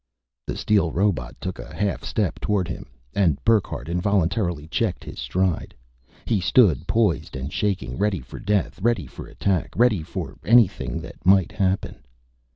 The steel robot took a half step toward him, and Burckhardt involuntarily checked his stride. He stood poised and shaking, ready for death, ready for attack, ready for anything that might happen.